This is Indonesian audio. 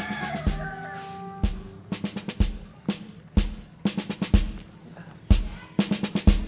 mr prakara hidup